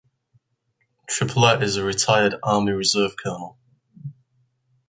Triplette is a retired Army Reserve colonel.